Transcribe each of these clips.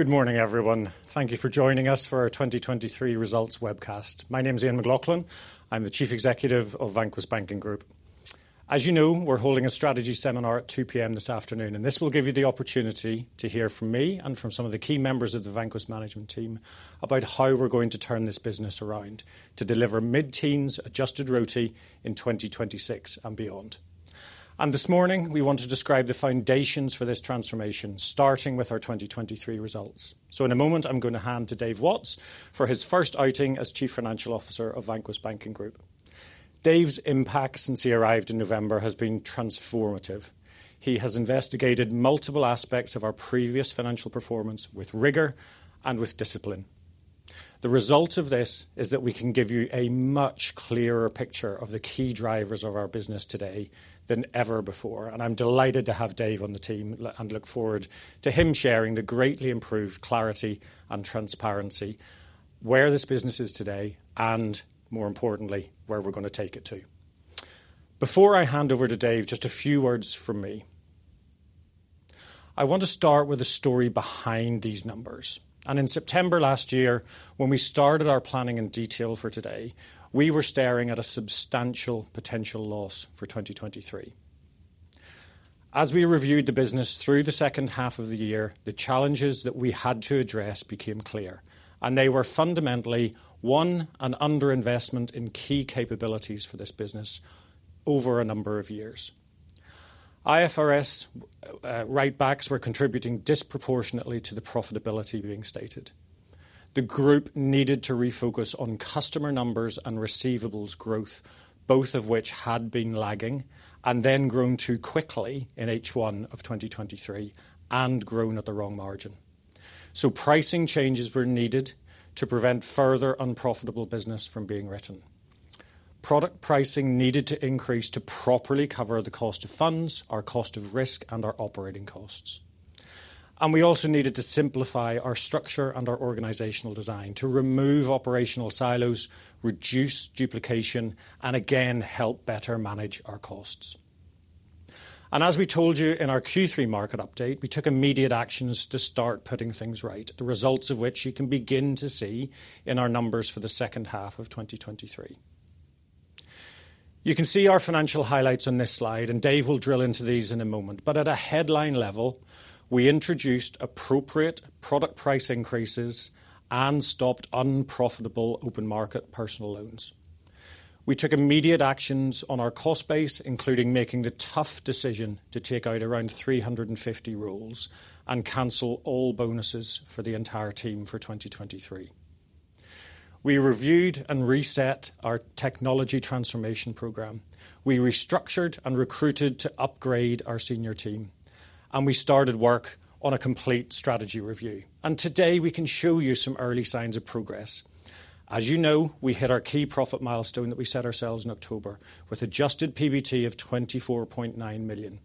Good morning, everyone. Thank you for joining us for our 2023 Results webcast. My name's Ian McLaughlin. I'm the Chief Executive of Vanquis Banking Group. As you know, we're holding a strategy seminar at 2:00 P.M. this afternoon, and this will give you the opportunity to hear from me and from some of the key members of the Vanquis management team about how we're going to turn this business around to deliver mid-teens adjusted ROTE in 2026 and beyond. This morning, we want to describe the foundations for this transformation, starting with our 2023 results. In a moment, I'm going to hand to Dave Watts for his first outing as Chief Financial Officer of Vanquis Banking Group. Dave's impact since he arrived in November has been transformative. He has investigated multiple aspects of our previous financial performance with rigor and with discipline. The result of this is that we can give you a much clearer picture of the key drivers of our business today than ever before. I'm delighted to have Dave on the team and look forward to him sharing the greatly improved clarity and transparency where this business is today and, more importantly, where we're going to take it to. Before I hand over to Dave, just a few words from me. I want to start with the story behind these numbers. In September last year, when we started our planning in detail for today, we were staring at a substantial potential loss for 2023. As we reviewed the business through the second half of the year, the challenges that we had to address became clear, and they were fundamentally one: an underinvestment in key capabilities for this business over a number of years. IFRS writebacks were contributing disproportionately to the profitability being stated. The group needed to refocus on customer numbers and receivables growth, both of which had been lagging and then grown too quickly in H1 of 2023 and grown at the wrong margin. So pricing changes were needed to prevent further unprofitable business from being written. Product pricing needed to increase to properly cover the cost of funds, our cost of risk, and our operating costs. And we also needed to simplify our structure and our organizational design to remove operational silos, reduce duplication, and again help better manage our costs. And as we told you in our Q3 market update, we took immediate actions to start putting things right, the results of which you can begin to see in our numbers for the second half of 2023. You can see our financial highlights on this slide, and Dave will drill into these in a moment. But at a headline level, we introduced appropriate product price increases and stopped unprofitable open market personal loans. We took immediate actions on our cost base, including making the tough decision to take out around 350 roles and cancel all bonuses for the entire team for 2023. We reviewed and reset our technology transformation program. We restructured and recruited to upgrade our senior team, and we started work on a complete strategy review. And today we can show you some early signs of progress. As you know, we hit our key profit milestone that we set ourselves in October with adjusted PBT of 24.9 million.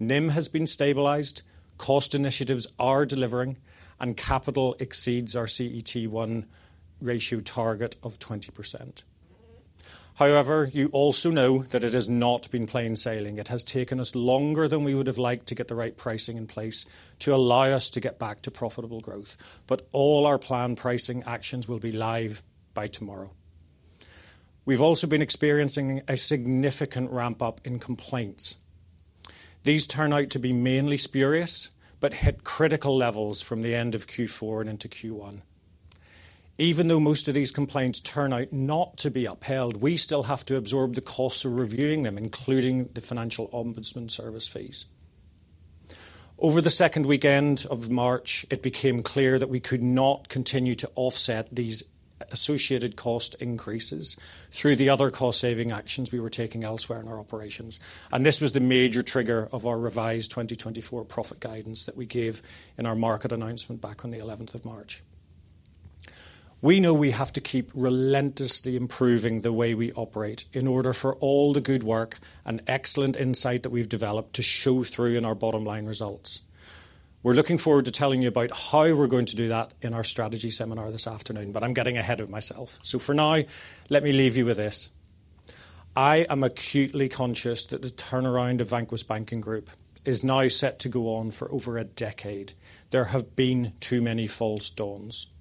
NIM has been stabilized, cost initiatives are delivering, and capital exceeds our CET1 ratio target of 20%. However, you also know that it has not been plain sailing. It has taken us longer than we would have liked to get the right pricing in place to allow us to get back to profitable growth. But all our planned pricing actions will be live by tomorrow. We've also been experiencing a significant ramp-up in complaints. These turn out to be mainly spurious but hit critical levels from the end of Q4 and into Q1. Even though most of these complaints turn out not to be upheld, we still have to absorb the costs of reviewing them, including the Financial Ombudsman Service fees. Over the second weekend of March, it became clear that we could not continue to offset these associated cost increases through the other cost-saving actions we were taking elsewhere in our operations. This was the major trigger of our revised 2024 profit guidance that we gave in our market announcement back on the 11th of March. We know we have to keep relentlessly improving the way we operate in order for all the good work and excellent insight that we've developed to show through in our bottom-line results. We're looking forward to telling you about how we're going to do that in our strategy seminar this afternoon, but I'm getting ahead of myself. So for now, let me leave you with this. I am acutely conscious that the turnaround of Vanquis Banking Group is now set to go on for over a decade. There have been too many false dawns.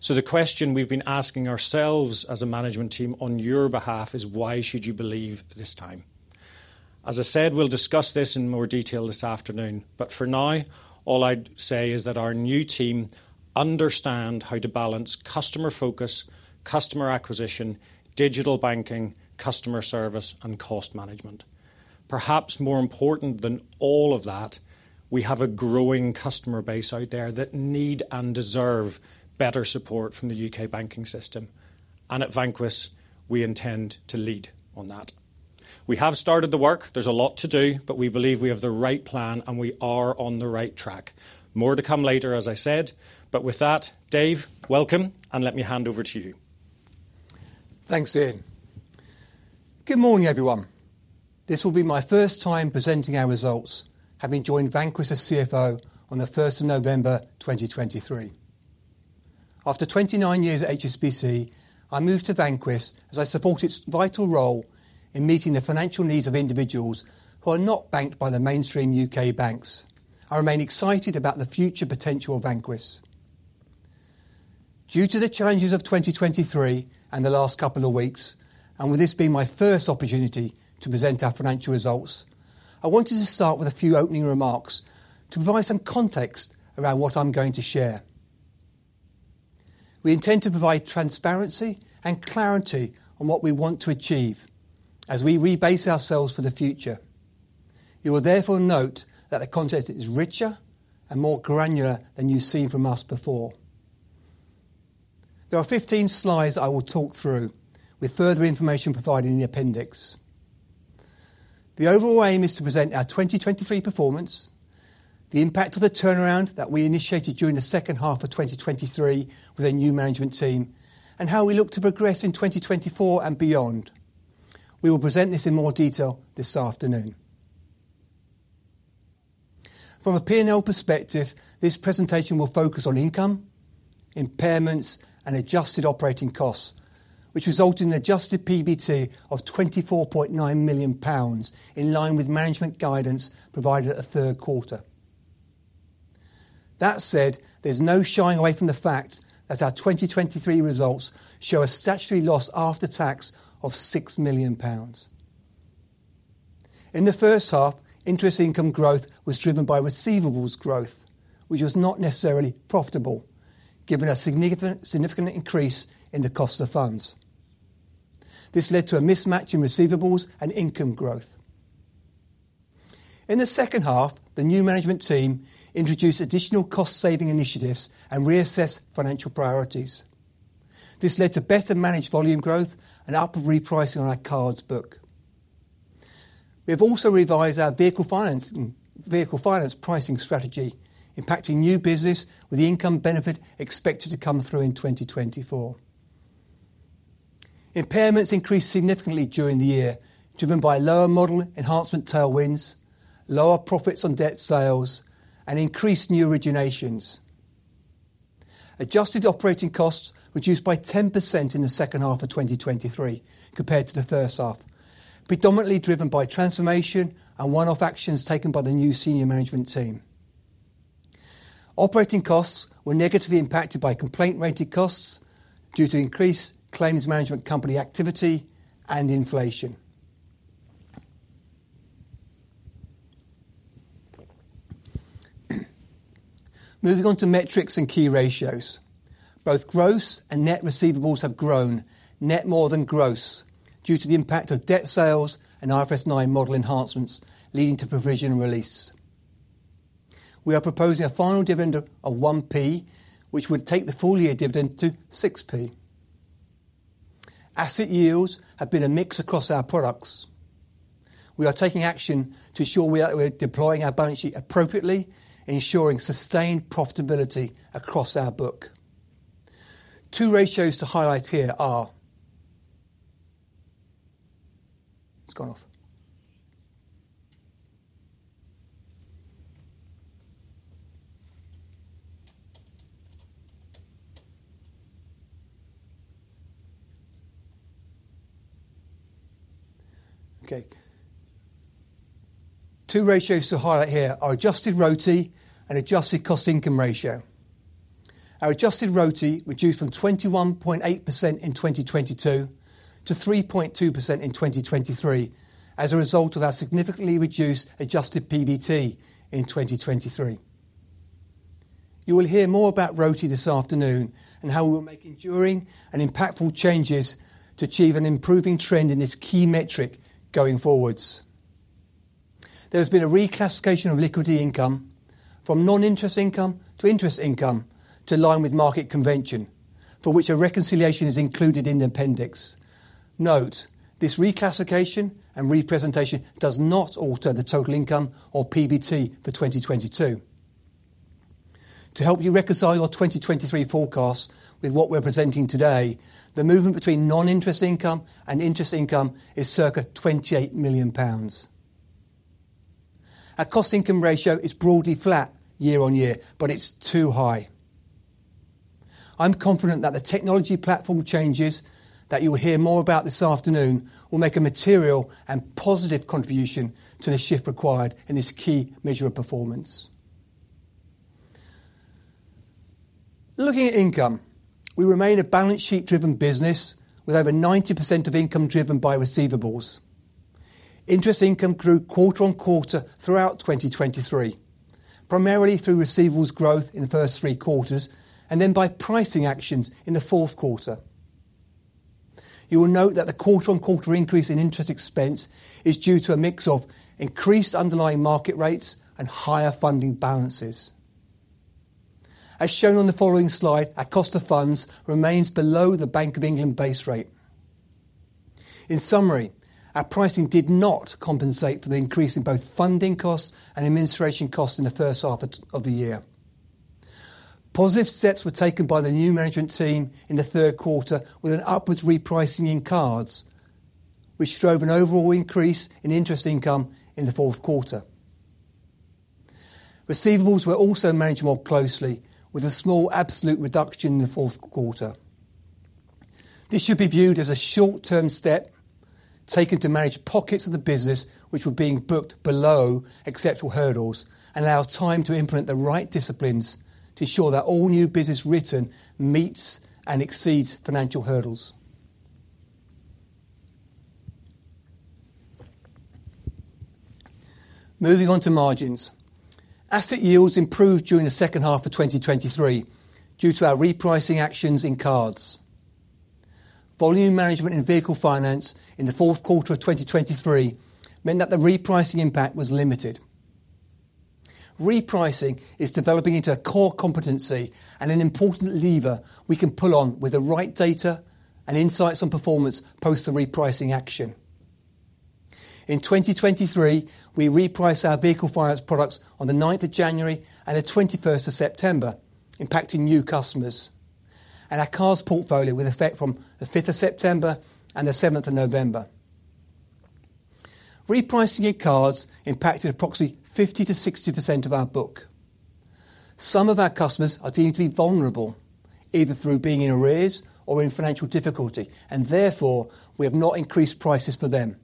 So the question we've been asking ourselves as a management team on your behalf is, why should you believe this time? As I said, we'll discuss this in more detail this afternoon. But for now, all I'd say is that our new team understands how to balance customer focus, customer acquisition, digital banking, customer service, and cost management. Perhaps more important than all of that, we have a growing customer base out there that need and deserve better support from the UK banking system. And at Vanquis, we intend to lead on that. We have started the work. There's a lot to do, but we believe we have the right plan and we are on the right track. More to come later, as I said. But with that, Dave, welcome, and let me hand over to you. Thanks, Ian. Good morning, everyone. This will be my first time presenting our results, having joined Vanquis as CFO on the 1st of November 2023. After 29 years at HSBC, I moved to Vanquis as I support its vital role in meeting the financial needs of individuals who are not banked by the mainstream U.K. banks. I remain excited about the future potential of Vanquis. Due to the challenges of 2023 and the last couple of weeks, and with this being my first opportunity to present our financial results, I wanted to start with a few opening remarks to provide some context around what I'm going to share. We intend to provide transparency and clarity on what we want to achieve as we rebase ourselves for the future. You will therefore note that the content is richer and more granular than you've seen from us before. There are 15 slides that I will talk through, with further information provided in the appendix. The overall aim is to present our 2023 performance, the impact of the turnaround that we initiated during the second half of 2023 with a new management team, and how we look to progress in 2024 and beyond. We will present this in more detail this afternoon. From a P&L perspective, this presentation will focus on income, impairments, and adjusted operating costs, which resulted in an adjusted PBT of 24.9 million pounds in line with management guidance provided at the third quarter. That said, there's no shying away from the fact that our 2023 results show a statutory loss after tax of 6 million pounds. In the first half, interest income growth was driven by receivables growth, which was not necessarily profitable, given a significant increase in the cost of funds. This led to a mismatch in receivables and income growth. In the second half, the new management team introduced additional cost-saving initiatives and reassessed financial priorities. This led to better managed volume growth and upward repricing on our cards book. We have also revised our Vehicle Finance pricing strategy, impacting new business with the income benefit expected to come through in 2024. Impairments increased significantly during the year, driven by lower model enhancement tailwinds, lower profits on debt sales, and increased new originations. Adjusted operating costs reduced by 10% in the second half of 2023 compared to the first half, predominantly driven by transformation and one-off actions taken by the new senior management team. Operating costs were negatively impacted by complaint-related costs due to increased claims management company activity and inflation. Moving on to metrics and key ratios. Both gross and net receivables have grown, net more than gross, due to the impact of debt sales and IFRS 9 model enhancements leading to provision release. We are proposing a final dividend of 0.01, which would take the full-year dividend to 0.06. Asset yields have been a mix across our products. We are taking action to ensure we are deploying our balance sheet appropriately, ensuring sustained profitability across our book. Two ratios to highlight here are: It's gone off. Okay. Two ratios to highlight here are adjusted ROTE and adjusted cost income ratio. Our adjusted ROTE reduced from 21.8% in 2022 to 3.2% in 2023 as a result of our significantly reduced adjusted PBT in 2023. You will hear more about ROTE this afternoon and how we will make enduring and impactful changes to achieve an improving trend in this key metric going forwards. There has been a reclassification of liquidity income from non-interest income to interest income to align with market convention, for which a reconciliation is included in the appendix. Note: this reclassification and re-presentation does not alter the total income or PBT for 2022. To help you reconcile your 2023 forecast with what we're presenting today, the movement between non-interest income and interest income is circa 28 million pounds. Our cost income ratio is broadly flat year on year, but it's too high. I'm confident that the technology platform changes that you will hear more about this afternoon will make a material and positive contribution to the shift required in this key measure of performance. Looking at income, we remain a balance sheet-driven business with over 90% of income driven by receivables. Interest income grew quarter-on-quarter throughout 2023, primarily through receivables growth in the first three quarters and then by pricing actions in the fourth quarter. You will note that the quarter-on-quarter increase in interest expense is due to a mix of increased underlying market rates and higher funding balances. As shown on the following slide, our cost of funds remains below the Bank of England base rate. In summary, our pricing did not compensate for the increase in both funding costs and administration costs in the first half of the year. Positive steps were taken by the new management team in the third quarter with an upwards repricing in cards, which drove an overall increase in interest income in the fourth quarter. Receivables were also managed more closely, with a small absolute reduction in the fourth quarter. This should be viewed as a short-term step taken to manage pockets of the business which were being booked below acceptable hurdles and allow time to implement the right disciplines to ensure that all new business written meets and exceeds financial hurdles. Moving on to margins. Asset yields improved during the second half of 2023 due to our repricing actions in cards. Volume management in Vehicle Finance in the fourth quarter of 2023 meant that the repricing impact was limited. Repricing is developing into a core competency and an important lever we can pull on with the right data and insights on performance post the repricing action. In 2023, we repriced our Vehicle Finance products on the 9th of January and the 21st of September, impacting new customers, and our Cards portfolio with effect from the 5th of September and the 7th of November. Repricing in cards impacted approximately 50%-60% of our book. Some of our customers are deemed to be vulnerable, either through being in arrears or in financial difficulty, and therefore we have not increased prices for them.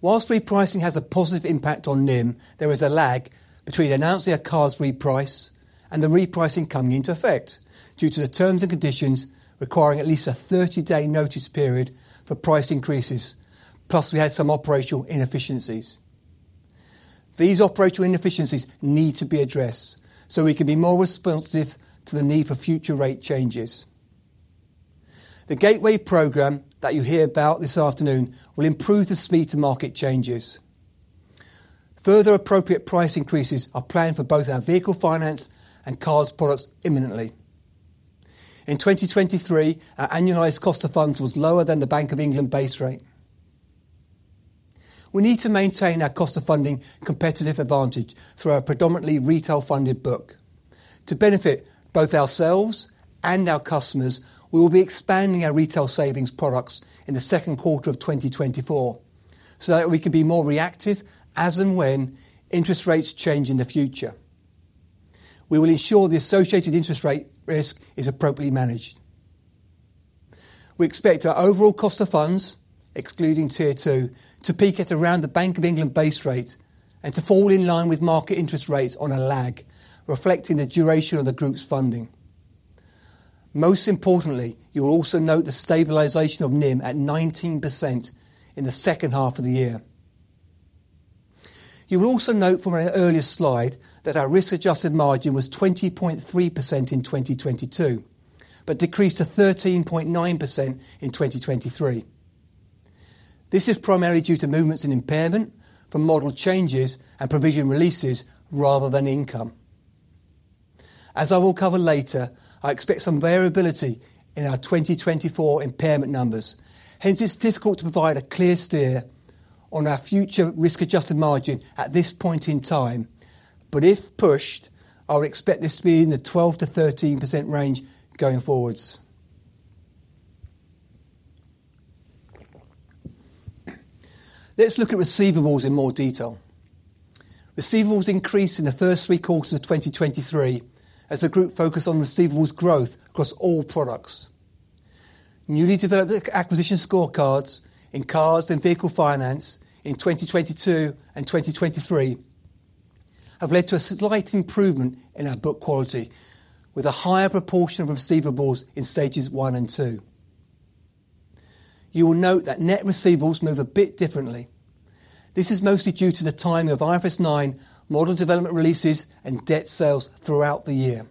While repricing has a positive impact on NIM, there is a lag between announcing a card's reprice and the repricing coming into effect due to the terms and conditions requiring at least a 30-day notice period for price increases, plus we had some operational inefficiencies. These operational inefficiencies need to be addressed so we can be more responsive to the need for future rate changes. The Gateway program that you hear about this afternoon will improve the speed to market changes. Further appropriate price increases are planned for both our Vehicle Finance and cards products imminently. In 2023, our annualized cost of funds was lower than the Bank of England base rate. We need to maintain our cost of funding competitive advantage through our predominantly retail-funded book. To benefit both ourselves and our customers, we will be expanding our retail savings products in the second quarter of 2024 so that we can be more reactive as and when interest rates change in the future. We will ensure the associated interest rate risk is appropriately managed. We expect our overall cost of funds, excluding Tier 2, to peak at around the Bank of England base rate and to fall in line with market interest rates on a lag, reflecting the duration of the group's funding. Most importantly, you will also note the stabilization of NIM at 19% in the second half of the year. You will also note from an earlier slide that our risk-adjusted margin was 20.3% in 2022, but decreased to 13.9% in 2023. This is primarily due to movements in impairment from model changes and provision releases rather than income. As I will cover later, I expect some variability in our 2024 impairment numbers. Hence, it's difficult to provide a clear steer on our future risk-adjusted margin at this point in time, but if pushed, I will expect this to be in the 12%-13% range going forwards. Let's look at receivables in more detail. Receivables increased in the first three quarters of 2023 as the group focused on receivables growth across all products. Newly developed acquisition scorecards in Cards and Vehicle Finance in 2022 and 2023 have led to a slight improvement in our book quality, with a higher proportion of receivables in stages one and two. You will note that net receivables move a bit differently. This is mostly due to the timing of IFRS 9 model development releases and debt sales throughout the year.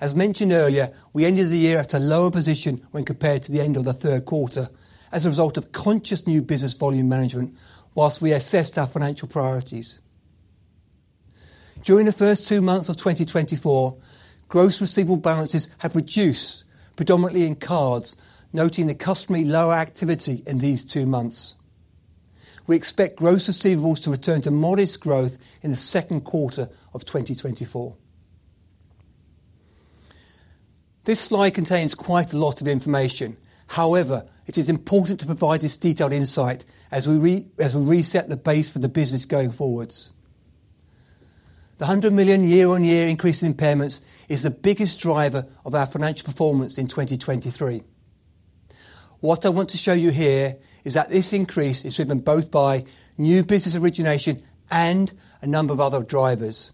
As mentioned earlier, we ended the year at a lower position when compared to the end of the third quarter as a result of conscious new business volume management while we assessed our financial priorities. During the first two months of 2024, gross receivable balances have reduced, predominantly in cards, noting the customary lower activity in these two months. We expect gross receivables to return to modest growth in the second quarter of 2024. This slide contains quite a lot of information, however, it is important to provide this detailed insight as we reset the base for the business going forward. The 100 million year-on-year increase in impairments is the biggest driver of our financial performance in 2023. What I want to show you here is that this increase is driven both by new business origination and a number of other drivers.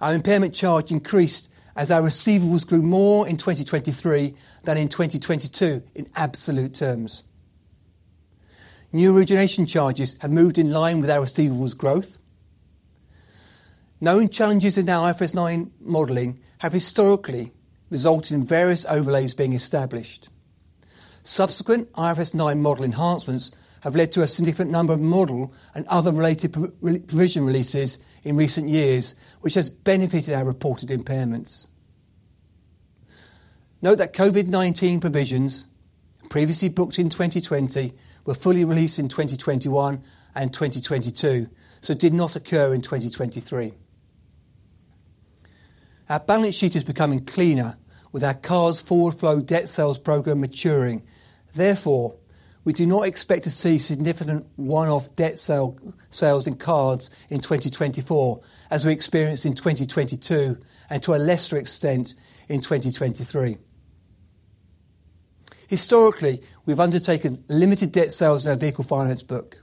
Our impairment charge increased as our receivables grew more in 2023 than in 2022 in absolute terms. New origination charges have moved in line with our receivables growth. Known challenges in our IFRS 9 modelling have historically resulted in various overlays being established. Subsequent IFRS 9 model enhancements have led to a significant number of model and other related provision releases in recent years, which has benefited our reported impairments. Note that COVID-19 provisions previously booked in 2020 were fully released in 2021 and 2022, so did not occur in 2023. Our balance sheet is becoming cleaner, with our cards forward flow debt sales program maturing. Therefore, we do not expect to see significant one-off debt sales in cards in 2024 as we experienced in 2022 and to a lesser extent in 2023. Historically, we have undertaken limited debt sales in our Vehicle Finance book.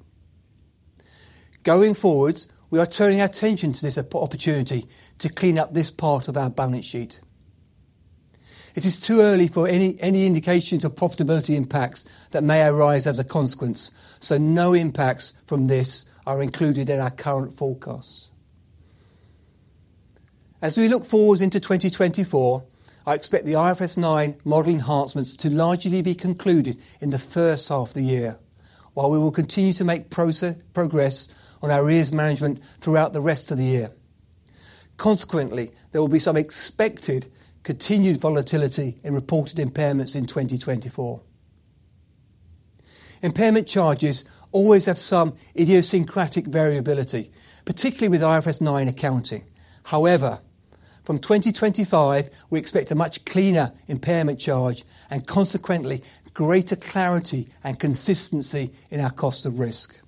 Going forward, we are turning our attention to this opportunity to clean up this part of our balance sheet. It is too early for any indications of profitability impacts that may arise as a consequence, so no impacts from this are included in our current forecast. As we look forward into 2024, I expect the IFRS 9 model enhancements to largely be concluded in the first half of the year, while we will continue to make progress on our arrears management throughout the rest of the year. Consequently, there will be some expected continued volatility in reported impairments in 2024. Impairment charges always have some idiosyncratic variability, particularly with IFRS 9 accounting. However, from 2025, we expect a much cleaner impairment charge and consequently greater clarity and consistency in our cost of risk.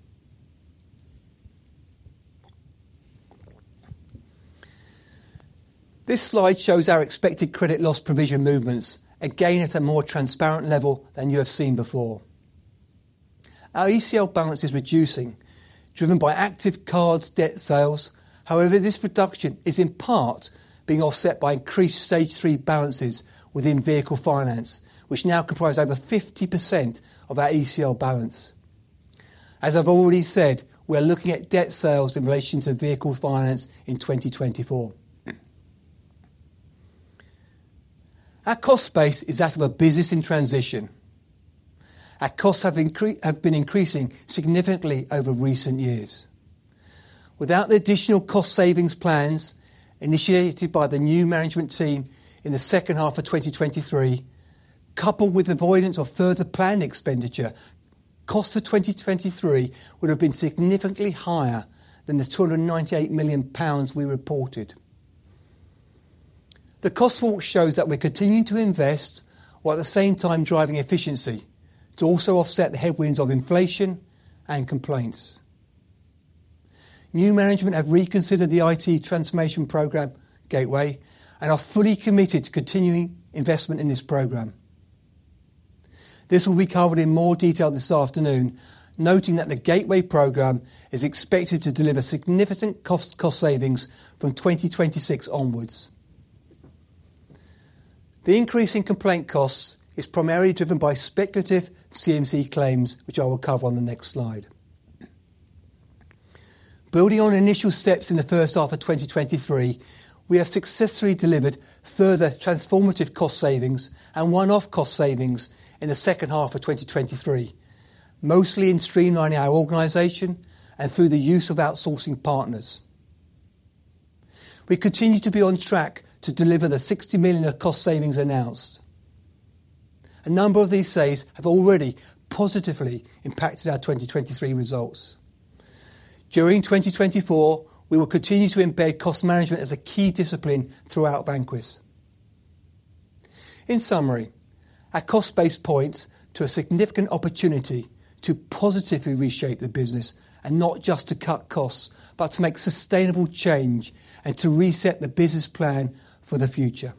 This slide shows our expected credit loss provision movements, again at a more transparent level than you have seen before. Our ECL balance is reducing, driven by active cards debt sales. However, this reduction is in part being offset by increased stage three balances within Vehicle Finance, which now comprise over 50% of our ECL balance. As I've already said, we are looking at debt sales in relation to Vehicle Finance in 2024. Our cost base is that of a business in transition. Our costs have been increasing significantly over recent years. Without the additional cost savings plans initiated by the new management team in the second half of 2023, coupled with avoidance of further planned expenditure, costs for 2023 would have been significantly higher than the 298 million pounds we reported. The cost forward shows that we're continuing to invest while at the same time driving efficiency to also offset the headwinds of inflation and complaints. New management have reconsidered the IT transformation program Gateway and are fully committed to continuing investment in this program. This will be covered in more detail this afternoon, noting that the Gateway program is expected to deliver significant cost savings from 2026 onwards. The increase in complaint costs is primarily driven by speculative CMC claims, which I will cover on the next slide. Building on initial steps in the first half of 2023, we have successfully delivered further transformative cost savings and one-off cost savings in the second half of 2023, mostly in streamlining our organization and through the use of outsourcing partners. We continue to be on track to deliver the 60 million of cost savings announced. A number of these saves have already positively impacted our 2023 results. During 2024, we will continue to embed cost management as a key discipline throughout Vanquis. In summary, our cost base points to a significant opportunity to positively reshape the business and not just to cut costs, but to make sustainable change and to reset the business plan for the future.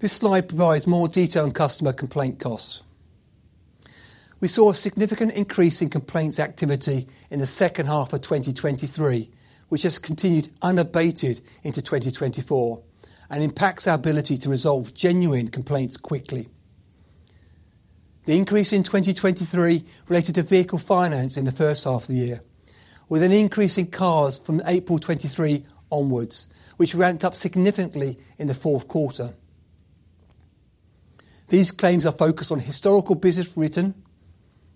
This slide provides more detail on customer complaint costs. We saw a significant increase in complaints activity in the second half of 2023, which has continued unabated into 2024 and impacts our ability to resolve genuine complaints quickly. The increase in 2023 related to Vehicle Finance in the first half of the year, with an increase in Cards from April 2023 onwards, which ramped up significantly in the fourth quarter. These claims are focused on historical business written,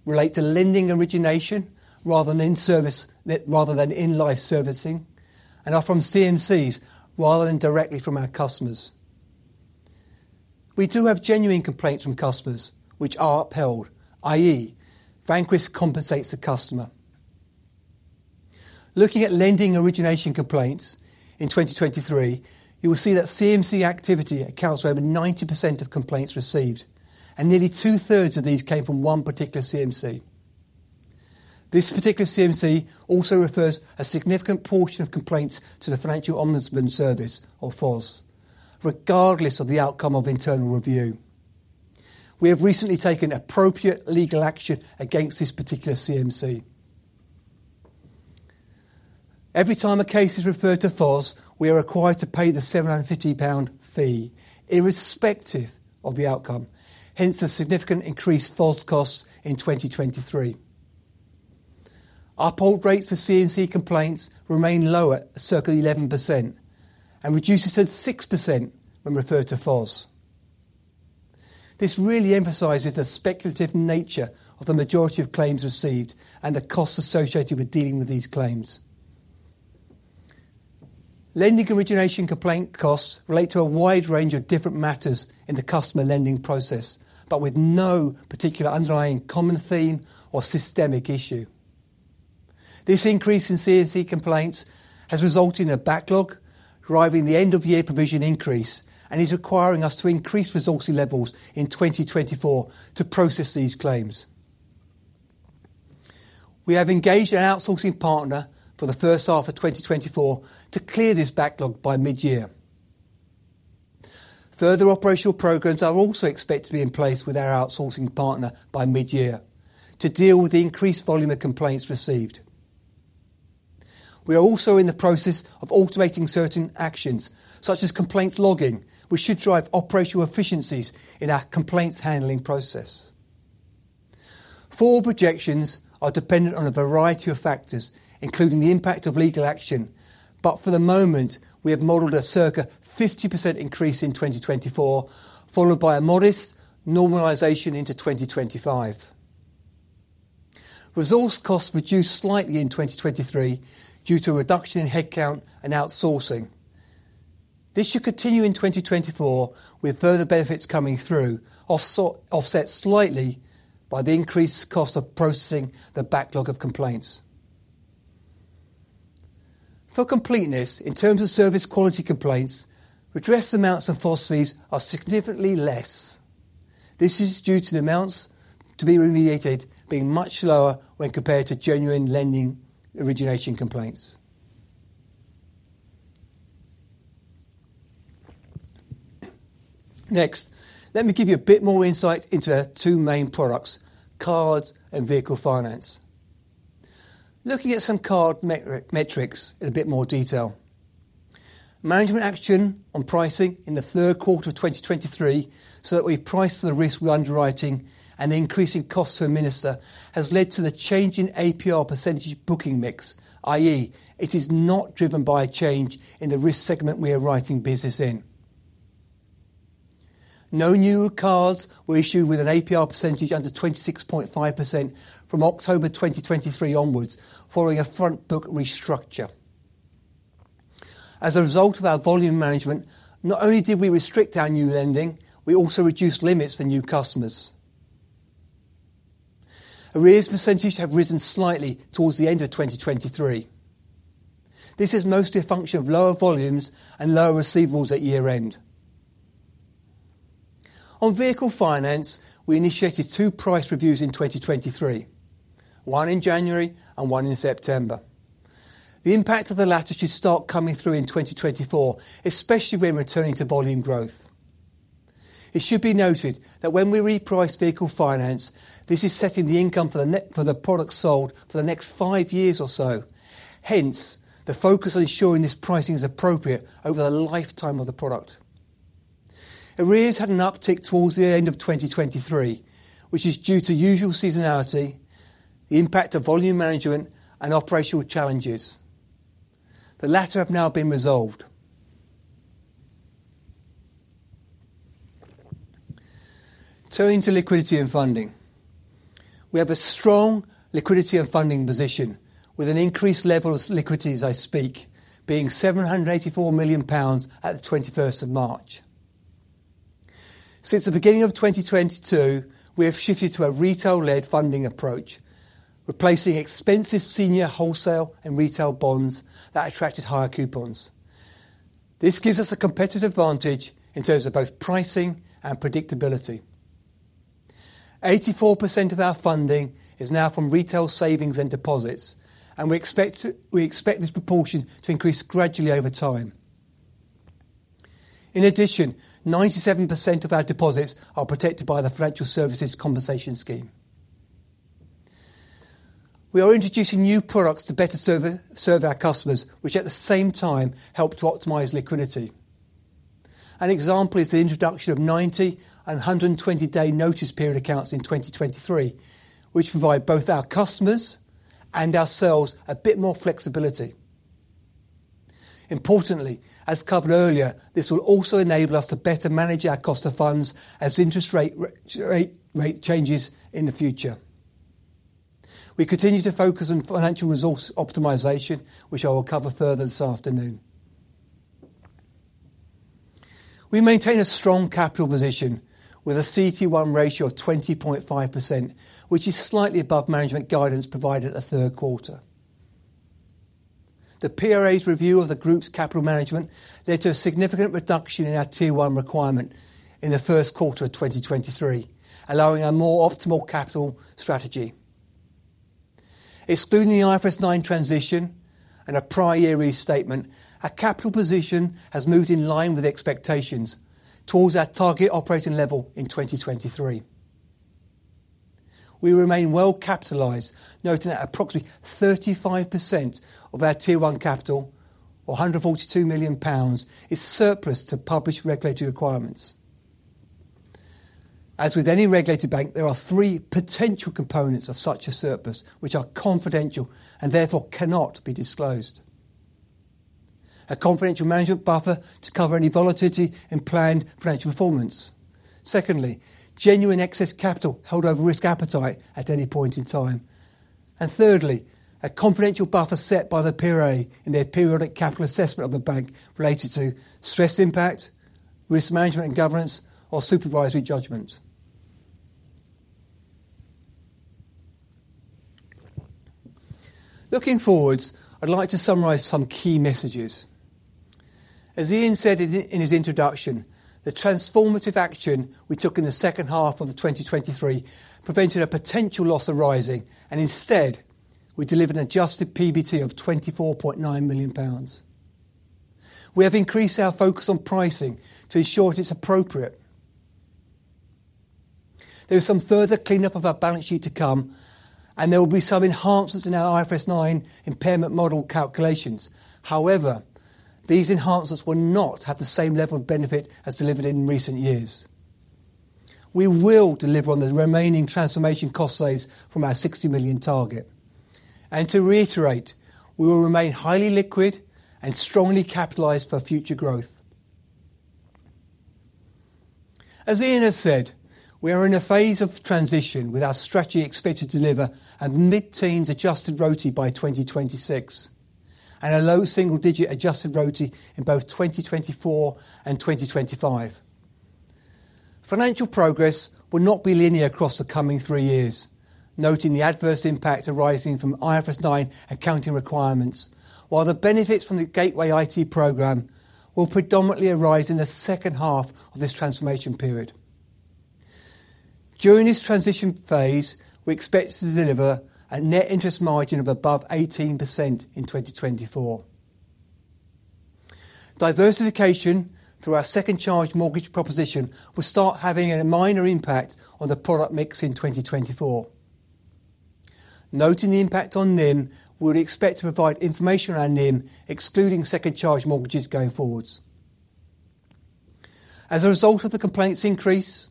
relate to lending origination rather than in-life servicing, and are from CMCs rather than directly from our customers. We do have genuine complaints from customers, which are upheld, i.e., Vanquis compensates the customer. Looking at lending origination complaints in 2023, you will see that CMC activity accounts for over 90% of complaints received, and nearly two-thirds of these came from one particular CMC. This particular CMC also refers a significant portion of complaints to the Financial Ombudsman Service, or FOS, regardless of the outcome of internal review. We have recently taken appropriate legal action against this particular CMC. Every time a case is referred to FOS, we are required to pay the 750 pound fee irrespective of the outcome, hence the significant increase in FOS costs in 2023. Our uphold rates for CMC complaints remain lower at circa 11% and reduces to 6% when referred to FOS. This really emphasizes the speculative nature of the majority of claims received and the costs associated with dealing with these claims. Lending origination complaint costs relate to a wide range of different matters in the customer lending process, but with no particular underlying common theme or systemic issue. This increase in CMC complaints has resulted in a backlog, driving the end-of-year provision increase, and is requiring us to increase resourcing levels in 2024 to process these claims. We have engaged an outsourcing partner for the first half of 2024 to clear this backlog by mid-year. Further operational programs are also expected to be in place with our outsourcing partner by mid-year to deal with the increased volume of complaints received. We are also in the process of automating certain actions, such as complaints logging, which should drive operational efficiencies in our complaints handling process. Forward projections are dependent on a variety of factors, including the impact of legal action, but for the moment we have modeled a circa 50% increase in 2024, followed by a modest normalization into 2025. Resource costs reduced slightly in 2023 due to a reduction in headcount and outsourcing. This should continue in 2024, with further benefits coming through, offset slightly by the increased cost of processing the backlog of complaints. For completeness, in terms of service quality complaints, redressed amounts and FOS fees are significantly less. This is due to the amounts to be remediated being much lower when compared to genuine lending origination complaints. Next, let me give you a bit more insight into our two main products: cards and Vehicle Finance. Looking at some card metrics in a bit more detail. Management action on pricing in the third quarter of 2023, so that we price for the risk we're underwriting and the increasing costs to administer has led to the changing APR percentage booking mix, i.e., it is not driven by a change in the risk segment we are writing business in. No new cards were issued with an APR percentage under 26.5% from October 2023 onwards, following a front book restructure. As a result of our volume management, not only did we restrict our new lending, we also reduced limits for new customers. Arrears percentage have risen slightly towards the end of 2023. This is mostly a function of lower volumes and lower receivables at year-end. On Vehicle Finance, we initiated 2 price reviews in 2023, one in January and one in September. The impact of the latter should start coming through in 2024, especially when returning to volume growth. It should be noted that when we reprice Vehicle Finance, this is setting the income for the product sold for the next 5 years or so, hence the focus on ensuring this pricing is appropriate over the lifetime of the product. Arrears had an uptick towards the end of 2023, which is due to usual seasonality, the impact of volume management, and operational challenges. The latter have now been resolved. Turning to liquidity and funding. We have a strong liquidity and funding position, with an increased level of liquidity as I speak being 784 million pounds at the 21st of March. Since the beginning of 2022, we have shifted to a retail-led funding approach, replacing expensive senior wholesale and retail bonds that attracted higher coupons. This gives us a competitive advantage in terms of both pricing and predictability. 84% of our funding is now from retail savings and deposits, and we expect this proportion to increase gradually over time. In addition, 97% of our deposits are protected by the Financial Services Compensation Scheme. We are introducing new products to better serve our customers, which at the same time help to optimize liquidity. An example is the introduction of 90- and 120-day notice period accounts in 2023, which provide both our customers and ourselves a bit more flexibility. Importantly, as covered earlier, this will also enable us to better manage our cost of funds as interest rate changes in the future. We continue to focus on financial resource optimization, which I will cover further this afternoon. We maintain a strong capital position with a CET1 ratio of 20.5%, which is slightly above management guidance provided in the third quarter. The PRA's review of the group's capital management led to a significant reduction in our Tier 1 requirement in the first quarter of 2023, allowing a more optimal capital strategy. Excluding the IFRS 9 transition and a prior year restatement, our capital position has moved in line with expectations towards our target operating level in 2023. We remain well capitalized, noting that approximately 35% of our Tier 1 capital, or 142 million pounds, is surplus to published regulatory requirements. As with any regulated bank, there are three potential components of such a surplus, which are confidential and therefore cannot be disclosed: a confidential management buffer to cover any volatility in planned financial performance, secondly, genuine excess capital held over risk appetite at any point in time, and thirdly, a confidential buffer set by the PRA in their periodic capital assessment of the bank related to stress impact, risk management and governance, or supervisory judgment. Looking forward, I'd like to summarize some key messages. As Ian said in his introduction, the transformative action we took in the second half of 2023 prevented a potential loss arising, and instead we delivered an adjusted PBT of 24.9 million pounds. We have increased our focus on pricing to ensure it is appropriate. There is some further cleanup of our balance sheet to come, and there will be some enhancements in our IFRS 9 impairment model calculations, however, these enhancements will not have the same level of benefit as delivered in recent years. We will deliver on the remaining transformation cost saves from our 60 million target. To reiterate, we will remain highly liquid and strongly capitalized for future growth. As Ian has said, we are in a phase of transition with our strategy expected to deliver a mid-teens adjusted ROTE by 2026, and a low single-digit adjusted ROTE in both 2024 and 2025. Financial progress will not be linear across the coming three years, noting the adverse impact arising from IFRS 9 accounting requirements, while the benefits from the Gateway IT program will predominantly arise in the second half of this transformation period. During this transition phase, we expect to deliver a net interest margin of above 18% in 2024. Diversification through our second charge mortgages proposition will start having a minor impact on the product mix in 2024. Noting the impact on NIM, we would expect to provide information on NIM excluding second charge mortgages going forwards. As a result of the complaints increase,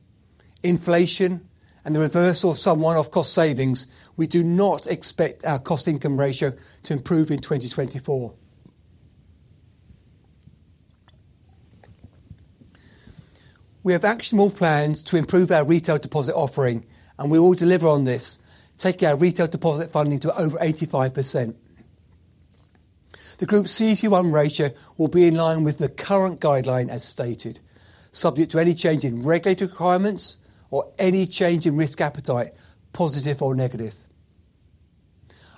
inflation, and the reversal of some one-off cost savings, we do not expect our cost-income ratio to improve in 2024. We have actionable plans to improve our retail deposit offering, and we will deliver on this, taking our retail deposit funding to over 85%. The group's CET1 ratio will be in line with the current guideline as stated, subject to any change in regulatory requirements or any change in risk appetite, positive or negative.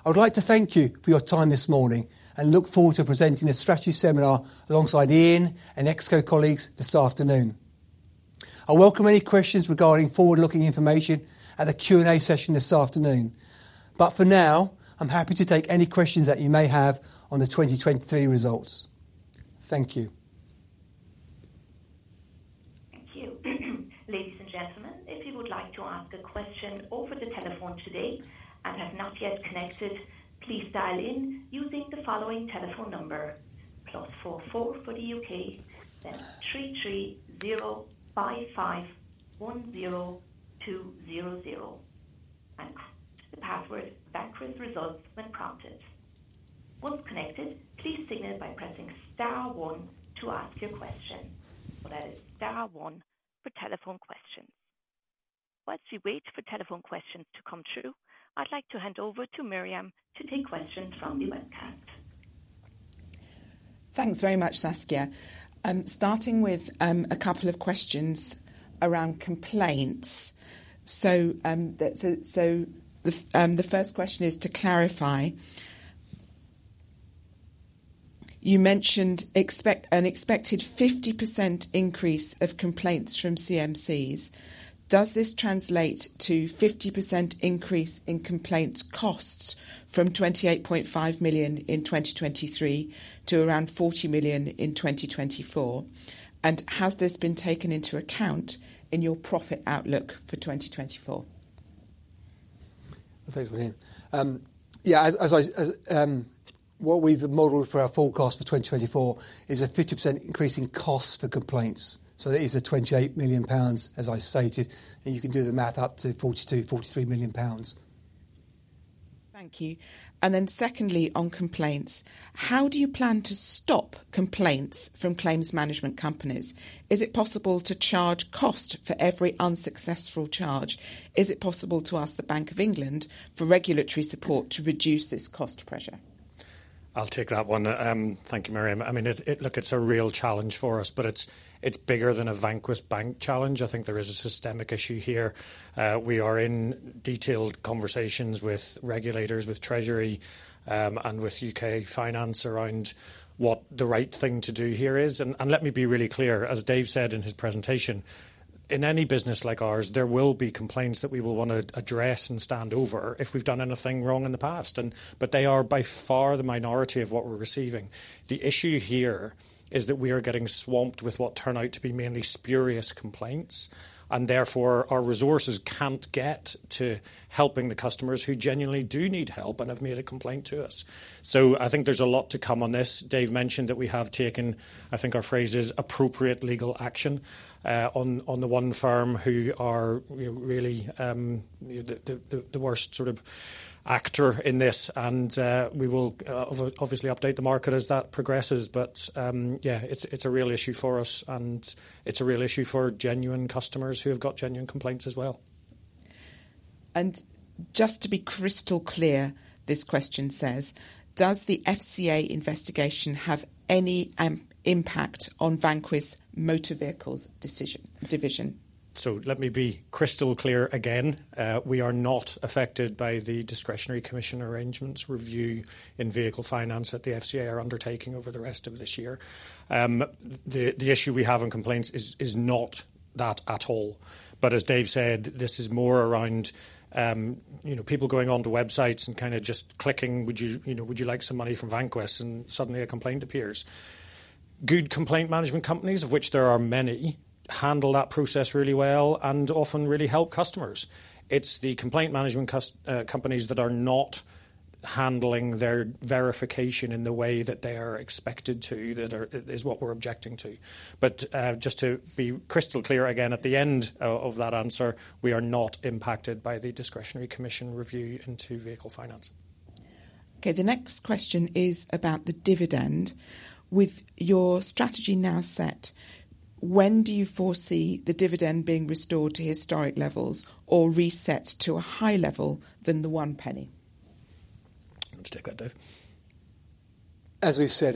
I would like to thank you for your time this morning and look forward to presenting a strategy seminar alongside Ian and Exco colleagues this afternoon. I welcome any questions regarding forward-looking information at the Q&A session this afternoon, but for now I'm happy to take any questions that you may have on the 2023 results. Thank you. Thank you. Ladies and gentlemen, if you would like to ask a question over the telephone today and have not yet connected, please dial in using the following telephone number: +44 for the U.K., then 330 55 10 200. The password "Vanquis Results" when prompted. Once connected, please signal by pressing star one to ask your question. So that is star one for telephone questions. Whilst we wait for telephone questions to come through, I'd like to hand over to Miriam to take questions from the webcast. Thanks very much, Saskia. Starting with a couple of questions around complaints. The first question is to clarify. You mentioned an expected 50% increase of complaints from CMCs. Does this translate to 50% increase in complaints costs from 28.5 million in 2023 to around 40 million in 2024? And has this been taken into account in your profit outlook for 2024? Thanks, Miriam. Yeah, as we've modeled for our forecast for 2024 is a 50% increase in costs for complaints. So it is 28 million pounds, as I stated, and you can do the math up to 42 million-43 million pounds. Thank you. And then secondly, on complaints, how do you plan to stop complaints from claims management companies? Is it possible to charge cost for every unsuccessful charge? Is it possible to ask the Bank of England for regulatory support to reduce this cost pressure? I'll take that one. Thank you, Miriam. I mean, look, it's a real challenge for us, but it's bigger than a Vanquis Bank challenge. I think there is a systemic issue here. We are in detailed conversations with regulators, with Treasury, and with UK Finance around what the right thing to do here is. And let me be really clear. As Dave said in his presentation, in any business like ours, there will be complaints that we will want to address and stand over if we've done anything wrong in the past. But they are by far the minority of what we're receiving. The issue here is that we are getting swamped with what turn out to be mainly spurious complaints, and therefore our resources can't get to helping the customers who genuinely do need help and have made a complaint to us. So I think there's a lot to come on this. Dave mentioned that we have taken, I think our phrase is, appropriate legal action on the one firm who are really the worst sort of actor in this. We will obviously update the market as that progresses. Yeah, it's a real issue for us, and it's a real issue for genuine customers who have got genuine complaints as well. Just to be crystal clear, this question says, does the FCA investigation have any impact on Vanquis' motor vehicles' division? Let me be crystal clear again. We are not affected by the Discretionary Commission Arrangements review in Vehicle Finance that the FCA are undertaking over the rest of this year. The issue we have in complaints is not that at all. But as Dave said, this is more around people going onto websites and kind of just clicking, "Would you like some money from Vanquis?" and suddenly a complaint appears. Good complaint management companies, of which there are many, handle that process really well and often really help customers. It's the complaint management companies that are not handling their verification in the way that they are expected to, that is what we're objecting to. But just to be crystal clear again, at the end of that answer, we are not impacted by the discretionary commission review into Vehicle Finance. Okay, the next question is about the dividend. With your strategy now set, when do you foresee the dividend being restored to historic levels or reset to a high level than the 0.01? I'll just take that, Dave. As we've said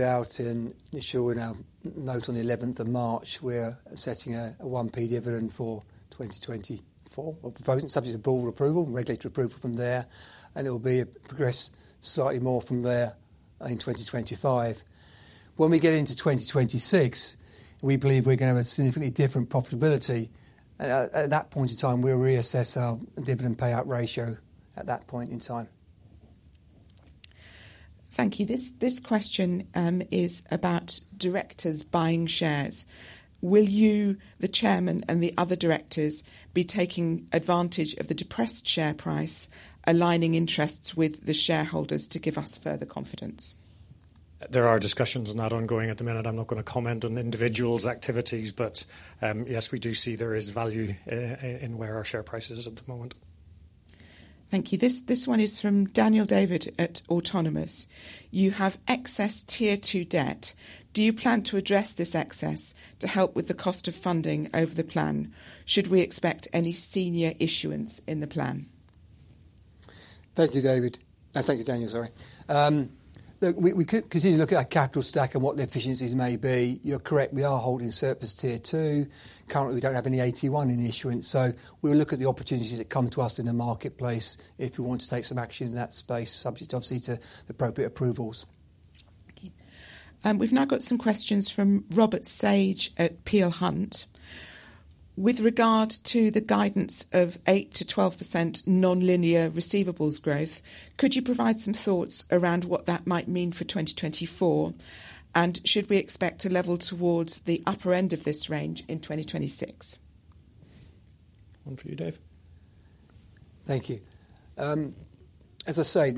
initially in our note on the 11th of March, we're setting a 0.01 dividend for 2024, subject to board approval and regulatory approval from there, and it will progress slightly more from there in 2025. When we get into 2026, we believe we're going to have a significantly different profitability. At that point in time, we'll reassess our dividend payout ratio at that point in time. Thank you. This question is about directors buying shares. Will you, the chairman, and the other directors be taking advantage of the depressed share price, aligning interests with the shareholders to give us further confidence? There are discussions on that ongoing at the minute. I'm not going to comment on the individual's activities, but yes, we do see there is value in where our share price is at the moment. Thank you. This one is from Daniel David at Autonomous Research. You have excess Tier 2 debt. Do you plan to address this excess to help with the cost of funding over the plan? Should we expect any senior issuance in the plan? Thank you, David. Thank you, Daniel, sorry. We continue to look at our capital stack and what the efficiencies may be. You're correct. We are holding surplus Tier 2. Currently, we don't have any plans in issuance. So we'll look at the opportunities that come to us in the marketplace if we want to take some action in that space, subject obviously to the appropriate approvals. Okay. We've now got some questions from Robert Sage at Peel Hunt. With regard to the guidance of 8%-12% non-linear receivables growth, could you provide some thoughts around what that might mean for 2024? Should we expect to level towards the upper end of this range in 2026? One for you, Dave. Thank you. As I say,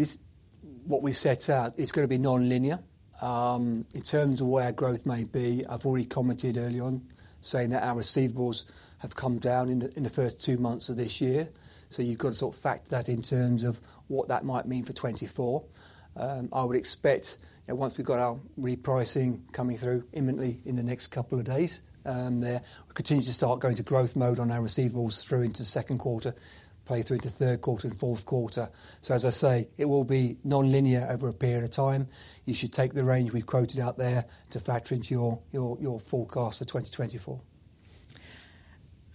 what we've set out is going to be non-linear. In terms of where growth may be, I've already commented early on saying that our receivables have come down in the first 2 months of this year. You've got to sort of factor that in terms of what that might mean for 2024. I would expect, once we've got our repricing coming through imminently in the next couple of days, we continue to start going to growth mode on our receivables through into the second quarter, play through into third quarter and fourth quarter. As I say, it will be non-linear over a period of time. You should take the range we've quoted out there to factor into your forecast for 2024.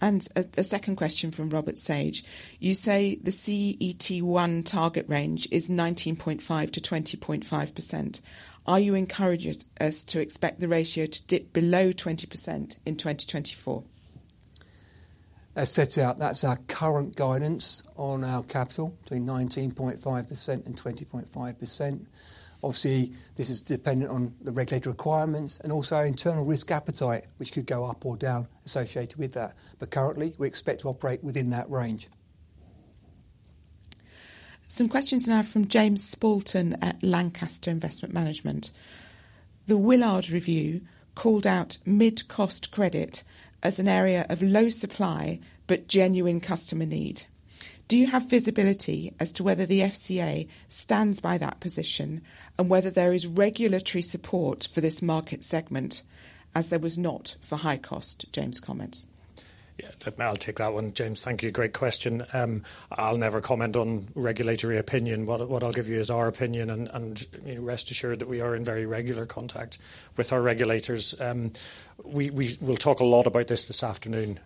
A second question from Robert Sage. You say the CET1 target range is 19.5%-20.5%. Are you encouraging us to expect the ratio to dip below 20% in 2024? As set out, that's our current guidance on our capital, between 19.5% and 20.5%. Obviously, this is dependent on the regulatory requirements and also our internal risk appetite, which could go up or down associated with that. But currently, we expect to operate within that range. Some questions now from James Spalton at Lancaster Investment Management. The Woolard Review called out mid-cost credit as an area of low supply but genuine customer need. Do you have visibility as to whether the FCA stands by that position and whether there is regulatory support for this market segment as there was not for high-cost, James? Comment? Yeah, I'll take that one, James. Thank you. Great question. I'll never comment on regulatory opinion. What I'll give you is our opinion, and rest assured that we are in very regular contact with our regulators. We will talk a lot about this this afternoon,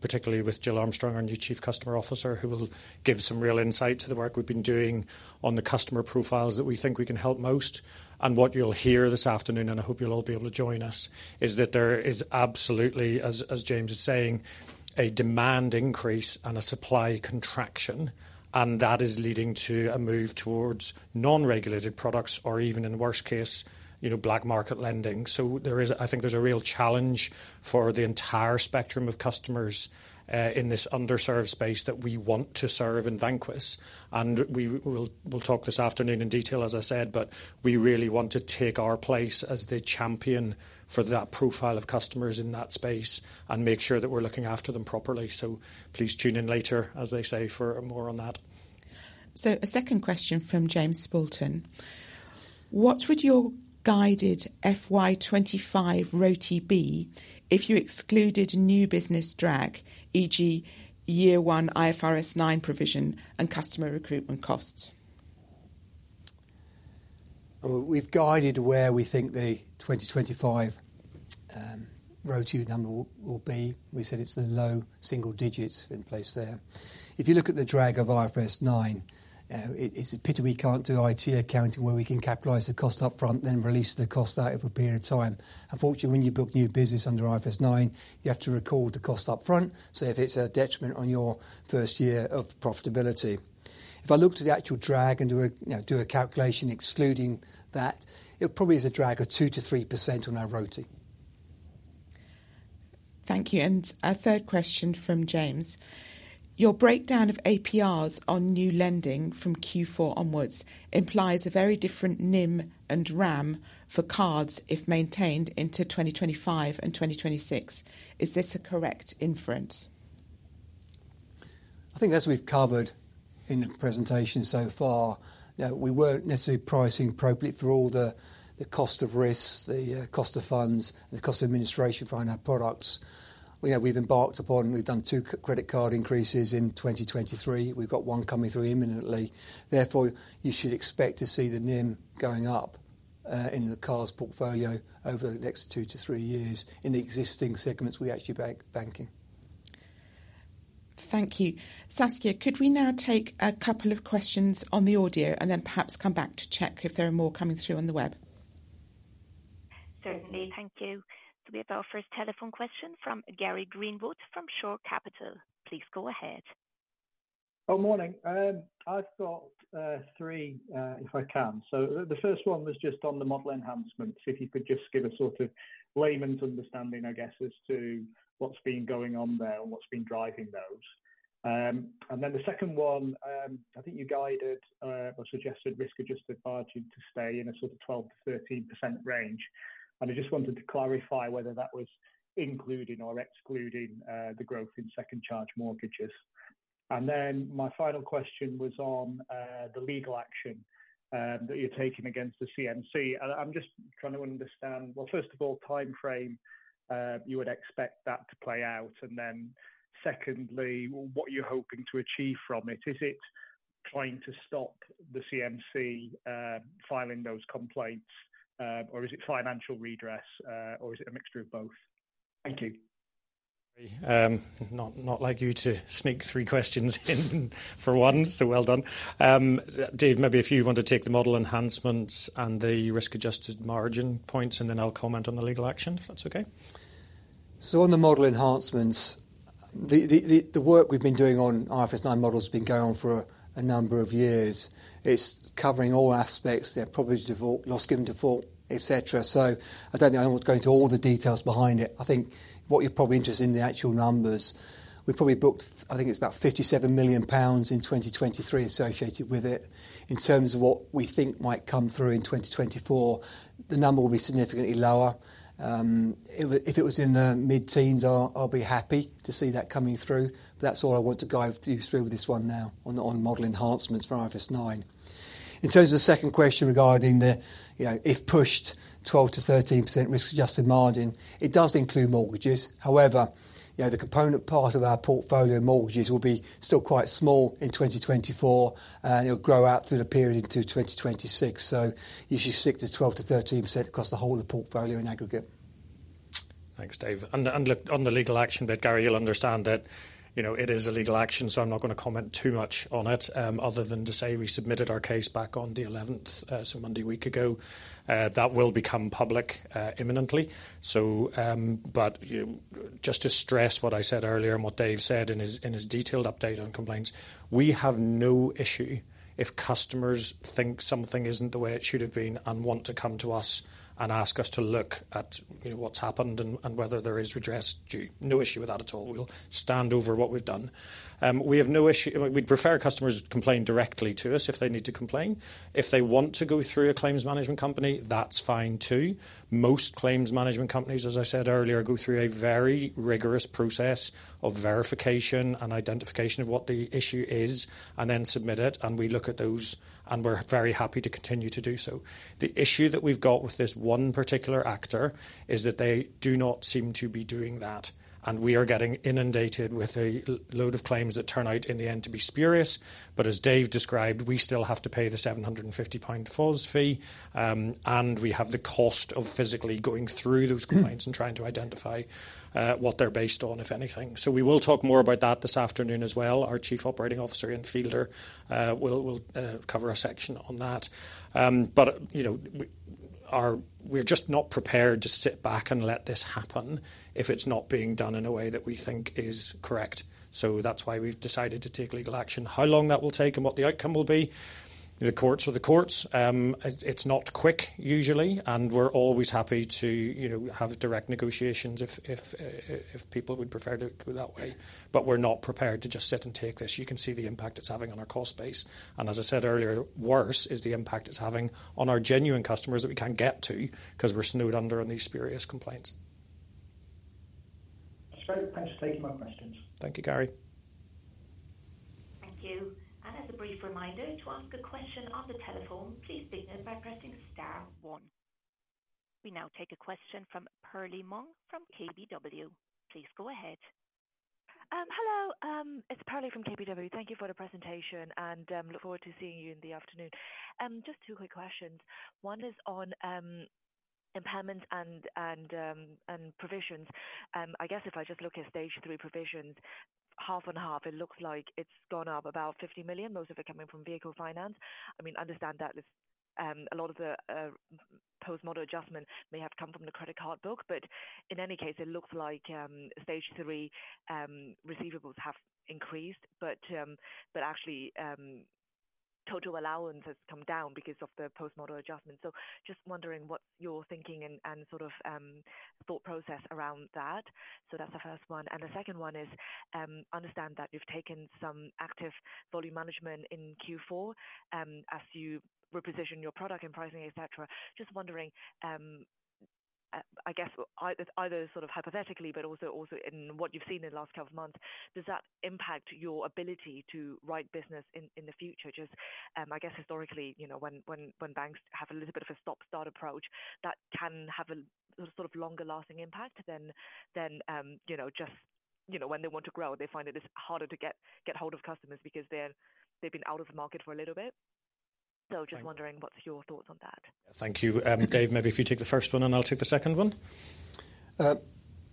particularly with Jill Armstrong, our new Chief Customer Officer, who will give some real insight to the work we've been doing on the customer profiles that we think we can help most. And what you'll hear this afternoon, and I hope you'll all be able to join us, is that there is absolutely, as James is saying, a demand increase and a supply contraction. And that is leading to a move towards non-regulated products or even, in the worst case, black market lending. So I think there's a real challenge for the entire spectrum of customers in this underserved space that we want to serve in Vanquis. We'll talk this afternoon in detail, as I said, but we really want to take our place as the champion for that profile of customers in that space and make sure that we're looking after them properly. So please tune in later, as they say, for more on that. So a second question from James Spalton. What would your guided FY 2025 ROTE be if you excluded new business drag, e.g., year one IFRS 9 provision and customer recruitment costs? We've guided where we think the 2025 ROTE number will be. We said it's the low single digits in place there. If you look at the drag of IFRS 9, it's a pity we can't do IT accounting where we can capitalize the cost upfront, then release the cost out over a period of time. Unfortunately, when you book new business under IFRS 9, you have to record the cost upfront. So if it's a detriment on your first year of profitability. If I looked at the actual drag and do a calculation excluding that, it probably is a drag of 2%-3% on our ROTE. Thank you. And a third question from James. Your breakdown of APRs on new lending from Q4 onwards implies a very different NIM and RAM for cards if maintained into 2025 and 2026. Is this a correct inference? I think, as we've covered in the presentation so far, we weren't necessarily pricing appropriately for all the cost of risks, the cost of funds, and the cost of administration for our products. We've done two credit card increases in 2023. We've got one coming through imminently. Therefore, you should expect to see the NIM going up in the cards portfolio over the next two-three years in the existing segments we actually bank in. Thank you. Saskia, could we now take a couple of questions on the audio and then perhaps come back to check if there are more coming through on the web? Certainly. Thank you. So we have our first telephone question from Gary Greenwood from Shore Capital. Please go ahead. Oh, morning. I've got three, if I can. So the first one was just on the model enhancements, if you could just give a sort of layman's understanding, I guess, as to what's been going on there and what's been driving those. And then the second one, I think you guided or suggested risk-adjusted margin to stay in a sort of 12%-13% range. I just wanted to clarify whether that was including or excluding the growth in second charge mortgages. Then my final question was on the legal action that you're taking against the CMC. I'm just trying to understand, well, first of all, timeframe you would expect that to play out. And then secondly, what you're hoping to achieve from it, is it trying to stop the CMC filing those complaints, or is it financial redress, or is it a mixture of both? Thank you. Not like you to sneak three questions in for one. Well done. Dave, maybe if you want to take the model enhancements and the risk-adjusted margin points, and then I'll comment on the legal action, if that's okay. On the model enhancements, the work we've been doing on IFRS 9 models has been going on for a number of years. It's covering all aspects: their probability of loss given default, etc. So I don't think I want to go into all the details behind it. I think what you're probably interested in, the actual numbers, we probably booked I think it's about 57 million pounds in 2023 associated with it. In terms of what we think might come through in 2024, the number will be significantly lower. If it was in the mid-teens, I'll be happy to see that coming through. But that's all I want to guide you through with this one now on model enhancements for IFRS 9. In terms of the second question regarding the, if pushed, 12%-13% risk-adjusted margin, it does include mortgages. However, the component part of our portfolio of mortgages will be still quite small in 2024, and it'll grow out through the period into 2026. You should stick to 12%-13% across the whole of the portfolio in aggregate. Thanks, Dave. On the legal action, but, Gary, you'll understand that it is a legal action, so I'm not going to comment too much on it other than to say we submitted our case back on the 11th, so Monday a week ago. That will become public imminently. Just to stress what I said earlier and what Dave said in his detailed update on complaints, we have no issue if customers think something isn't the way it should have been and want to come to us and ask us to look at what's happened and whether there is redress. No issue with that at all. We'll stand over what we've done. We'd prefer customers complain directly to us if they need to complain. If they want to go through a claims management company, that's fine too. Most claims management companies, as I said earlier, go through a very rigorous process of verification and identification of what the issue is and then submit it. We look at those, and we're very happy to continue to do so. The issue that we've got with this one particular actor is that they do not seem to be doing that. We are getting inundated with a load of claims that turn out in the end to be spurious. As Dave described, we still have to pay the 750 default fee, and we have the cost of physically going through those complaints and trying to identify what they're based on, if anything. We will talk more about that this afternoon as well. Our Chief Operating Officer, Ian Fielder, will cover a section on that. But we're just not prepared to sit back and let this happen if it's not being done in a way that we think is correct. So that's why we've decided to take legal action. How long that will take and what the outcome will be, the courts are the courts. It's not quick, usually. And we're always happy to have direct negotiations if people would prefer to go that way. But we're not prepared to just sit and take this. You can see the impact it's having on our cost base. And as I said earlier, worse is the impact it's having on our genuine customers that we can't get to because we're snowed under on these spurious complaints. That's great. Thanks for taking my questions. Thank you, Gary. Thank you. And as a brief reminder, to ask a question on the telephone, please signal by pressing star one. We now take a question from Perlie Mong from KBW. Please go ahead. Hello. It's Perlie from KBW. Thank you for the presentation, and look forward to seeing you in the afternoon. Just two quick questions. One is on impairments and provisions. I guess if I just look at stage three provisions, half and half, it looks like it's gone up about 50 million, most of it coming from Vehicle Finance. I mean, I understand that a lot of the post-model adjustment may have come from the credit card book. But in any case, it looks like stage three receivables have increased, but actually, total allowance has come down because of the post-model adjustment. So just wondering what's your thinking and sort of thought process around that. So that's the first one. The second one is, I understand that you've taken some active volume management in Q4 as you reposition your product and pricing, etc. Just wondering, I guess, either sort of hypothetically but also in what you've seen in the last couple of months, does that impact your ability to write business in the future? Just, I guess, historically, when banks have a little bit of a stop-start approach, that can have a sort of longer-lasting impact than just when they want to grow, they find it is harder to get hold of customers because they've been out of the market for a little bit. Just wondering what's your thoughts on that. Thank you. Dave, maybe if you take the first one, and I'll take the second one.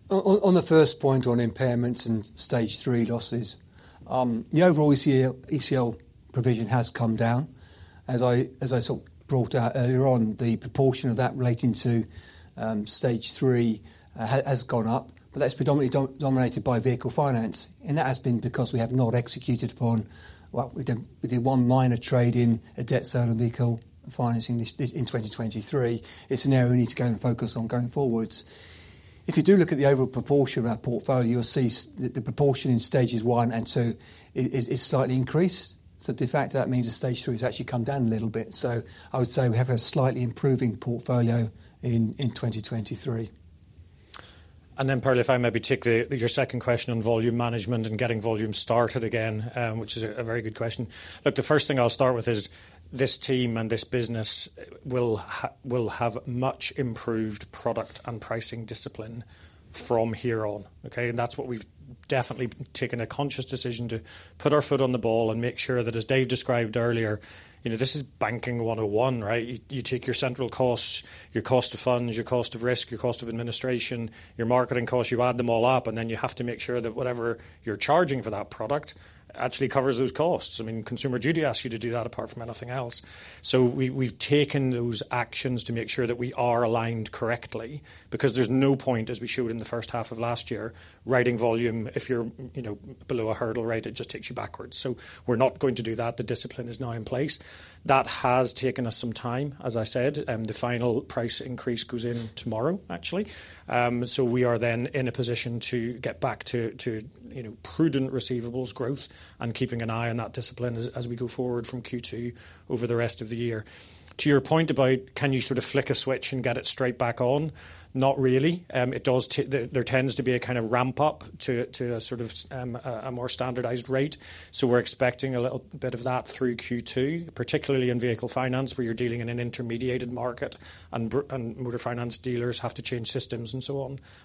On the first point on impairments and stage three losses, the overall ECL provision has come down. As I sort of brought out earlier on, the proportion of that relating to stage three has gone up, but that's predominantly dominated by Vehicle Finance. And that has been because we have not executed upon. We did one minor trade in a debt sale and vehicle financing in 2023. It's an area we need to go and focus on going forwards. If you do look at the overall proportion of our portfolio, you'll see the proportion in stages one and two is slightly increased. So de facto, that means that stage three has actually come down a little bit. So I would say we have a slightly improving portfolio in 2023. And then, Perlie, if I may, particularly your second question on volume management and getting volume started again, which is a very good question. Look, the first thing I'll start with is this team and this business will have much improved product and pricing discipline from here on, okay? And that's what we've definitely taken a conscious decision to put our foot on the ball and make sure that, as Dave described earlier, this is banking 101, right? You take your central costs, your cost of funds, your cost of risk, your cost of administration, your marketing costs, you add them all up, and then you have to make sure that whatever you're charging for that product actually covers those costs. I mean, Consumer Duty asks you to do that apart from anything else. So we've taken those actions to make sure that we are aligned correctly because there's no point, as we showed in the first half of last year, writing volume if you're below a hurdle, right? It just takes you backwards. So we're not going to do that. The discipline is now in place. That has taken us some time. As I said, the final price increase goes in tomorrow, actually. So we are then in a position to get back to prudent receivables growth and keeping an eye on that discipline as we go forward from Q2 over the rest of the year. To your point about can you sort of flick a switch and get it straight back on, not really. There tends to be a kind of ramp-up to a sort of a more standardized rate. So we're expecting a little bit of that through Q2, particularly in Vehicle Finance where you're dealing in an intermediated market and motor finance dealers have to change systems and so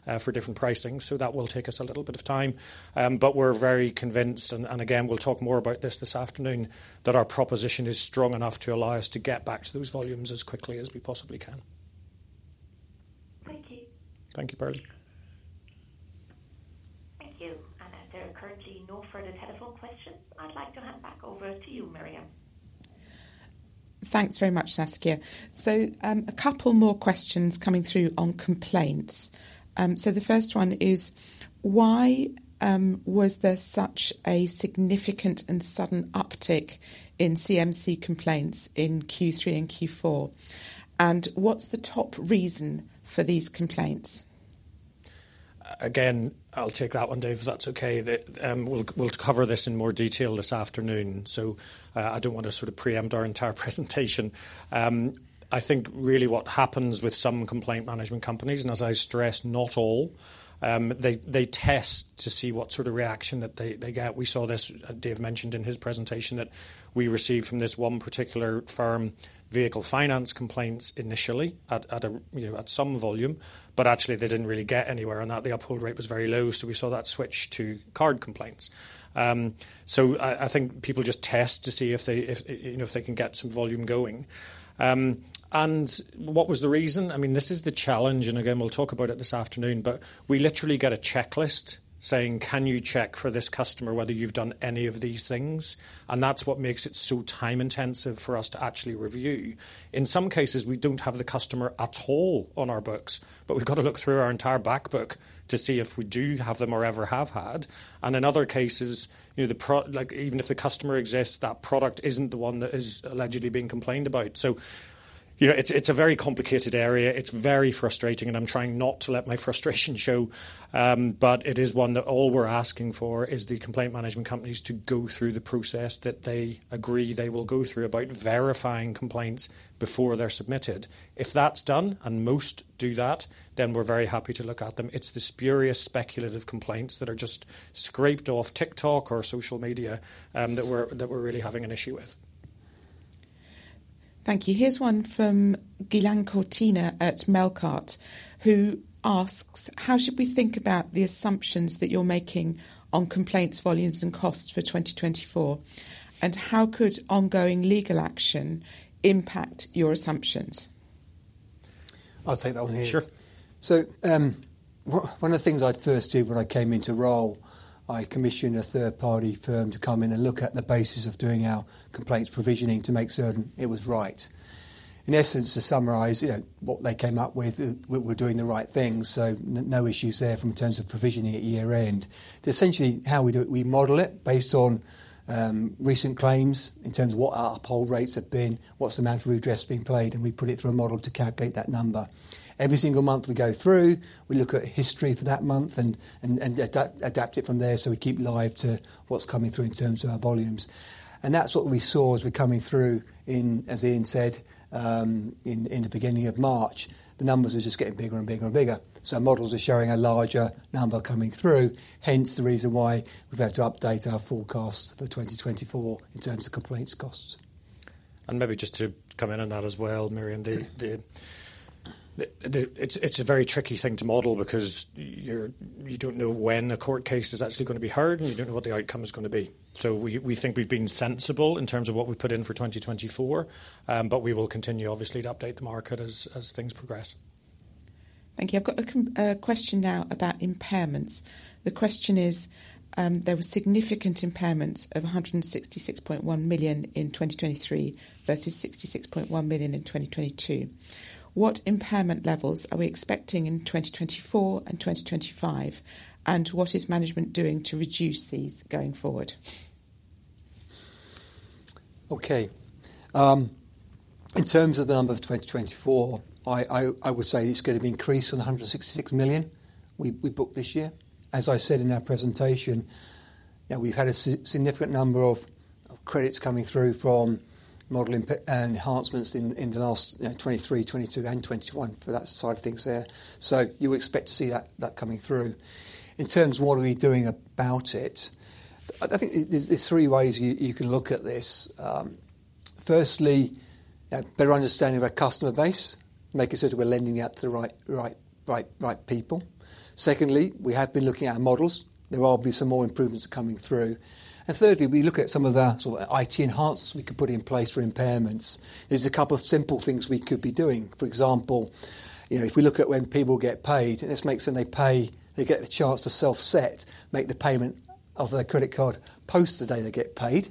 on for different pricing. So that will take us a little bit of time. But we're very convinced, and again, we'll talk more about this this afternoon, that our proposition is strong enough to allow us to get back to those volumes as quickly as we possibly can. Thank you. Thank you, Perlie. Thank you. And there are currently no further telephone questions. I'd like to hand back over to you, Miriam. Thanks very much, Saskia. So a couple more questions coming through on complaints. So the first one is, why was there such a significant and sudden uptick in CMC complaints in Q3 and Q4? And what's the top reason for these complaints? Again, I'll take that one over if that's okay. We'll cover this in more detail this afternoon. So I don't want to sort of preempt our entire presentation. I think really what happens with some complaint management companies, and as I stress, not all, they test to see what sort of reaction that they get. We saw this, Dave mentioned in his presentation, that we received from this one particular firm Vehicle Finance complaints initially at some volume, but actually, they didn't really get anywhere, and the uphold rate was very low. So we saw that switch to Card complaints. So I think people just test to see if they can get some volume going. And what was the reason? I mean, this is the challenge, and again, we'll talk about it this afternoon, but we literally get a checklist saying, "Can you check for this customer whether you've done any of these things?" And that's what makes it so time-intensive for us to actually review. In some cases, we don't have the customer at all on our books, but we've got to look through our entire backbook to see if we do have them or ever have had. And in other cases, even if the customer exists, that product isn't the one that is allegedly being complained about. So it's a very complicated area. It's very frustrating, and I'm trying not to let my frustration show. But it is one that all we're asking for is the complaint management companies to go through the process that they agree they will go through about verifying complaints before they're submitted. If that's done, and most do that, then we're very happy to look at them. It's the spurious speculative complaints that are just scraped off TikTok or social media that we're really having an issue with. Thank you. Here's one from Ghilan Cortina at Melqart, who asks, "How should we think about the assumptions that you're making on complaints volumes and costs for 2024? And how could ongoing legal action impact your assumptions?" I'll take that one here. Sure. So one of the things I'd first do when I came into role, I commissioned a third-party firm to come in and look at the basis of doing our complaints provisioning to make certain it was right. In essence, to summarize what they came up with, we're doing the right things, so no issues there in terms of provisioning at year-end. Essentially, how we do it, we model it based on recent claims in terms of what our uphold rates have been, what's the amount of redress being paid, and we put it through a model to calculate that number. Every single month we go through, we look at history for that month and adapt it from there so we keep live to what's coming through in terms of our volumes. That's what we saw as we're coming through, as Ian said, in the beginning of March. The numbers were just getting bigger and bigger and bigger. Our models are showing a larger number coming through, hence the reason why we've had to update our forecasts for 2024 in terms of complaints costs. Maybe just to come in on that as well, Miriam, it's a very tricky thing to model because you don't know when a court case is actually going to be heard, and you don't know what the outcome is going to be. So we think we've been sensible in terms of what we've put in for 2024, but we will continue, obviously, to update the market as things progress. Thank you. I've got a question now about impairments. The question is, there were significant impairments of 166.1 million in 2023 versus 66.1 million in 2022. What impairment levels are we expecting in 2024 and 2025, and what is management doing to reduce these going forward? Okay. In terms of the number of 2024, I would say it's going to be increased from the 166 million we booked this year. As I said in our presentation, we've had a significant number of credits coming through from model enhancements in the last 2023, 2022, and 2021 for that side of things there. So you expect to see that coming through. In terms of what are we doing about it, I think there's three ways you can look at this. Firstly, better understanding of our customer base, making sure that we're lending out to the right people. Secondly, we have been looking at our models. There will be some more improvements coming through. And thirdly, we look at some of the sort of IT enhancements we could put in place for impairments. There's a couple of simple things we could be doing. For example, if we look at when people get paid, and this makes sense when they get the chance to self-set, make the payment of their credit card post the day they get paid.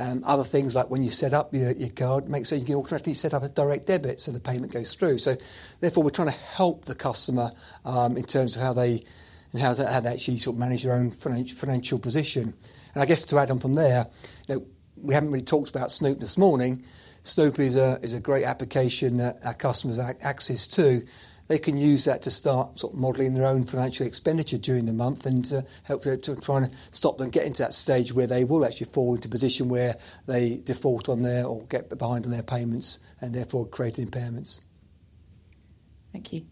Other things like when you set up your card, make sure you can automatically set up a direct debit so the payment goes through. So therefore, we're trying to help the customer in terms of how they can actually sort of manage their own financial position. And I guess to add on from there, we haven't really talked about Snoop this morning. Snoop is a great application that our customers have access to. They can use that to start sort of modeling their own financial expenditure during the month and to help them to try and stop them getting to that stage where they will actually fall into a position where they default on their or get behind on their payments and therefore create impairments. Thank you.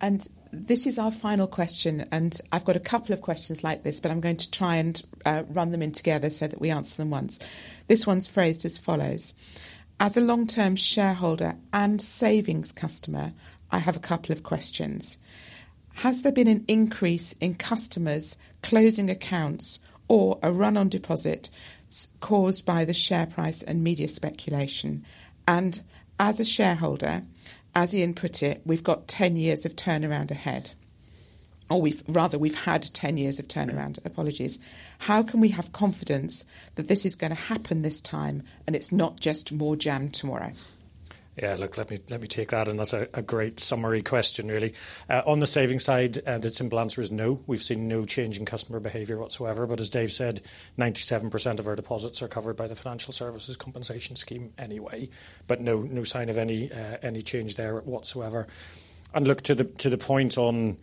And this is our final question. And I've got a couple of questions like this, but I'm going to try and run them in together so that we answer them once. This one's phrased as follows, "As a long-term shareholder and savings customer, I have a couple of questions. Has there been an increase in customers closing accounts or a run-on deposit caused by the share price and media speculation? And as a shareholder, as Ian put it, we've got 10 years of turnaround ahead. Or rather, we've had 10 years of turnaround. Apologies. How can we have confidence that this is going to happen this time and it's not just more jam tomorrow?" Yeah. Look, let me take that. That's a great summary question, really. On the savings side, the simple answer is no. We've seen no change in customer behavior whatsoever. But as Dave said, 97% of our deposits are covered by the Financial Services Compensation Scheme anyway, but no sign of any change there whatsoever. And look, to the point on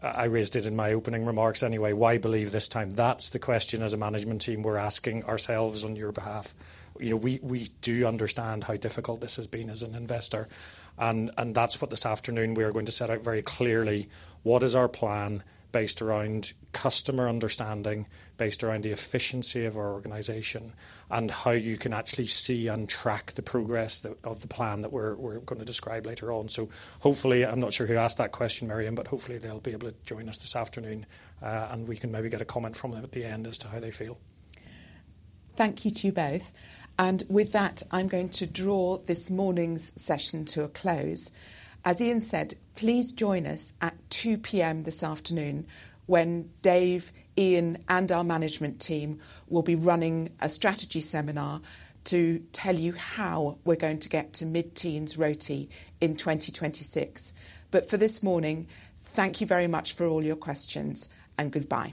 I raised it in my opening remarks anyway, why believe this time? That's the question as a management team we're asking ourselves on your behalf. We do understand how difficult this has been as an investor. And that's what this afternoon we are going to set out very clearly. What is our plan based around customer understanding, based around the efficiency of our organization, and how you can actually see and track the progress of the plan that we're going to describe later on? So hopefully, I'm not sure who asked that question, Miriam, but hopefully, they'll be able to join us this afternoon, and we can maybe get a comment from them at the end as to how they feel. Thank you to you both. And with that, I'm going to draw this morning's session to a close. As Ian said, please join us at 2:00 P.M. this afternoon when Dave, Ian, and our management team will be running a strategy seminar to tell you how we're going to get to mid-teens ROTE in 2026. But for this morning, thank you very much for all your questions and goodbye.